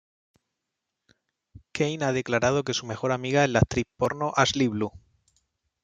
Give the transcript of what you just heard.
Kane ha declarado que su mejor amiga es la actriz porno Ashley Blue.